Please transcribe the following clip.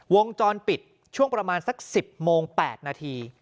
วงจรปิดช่วงประมาณสัก๑๐โมง๘นาที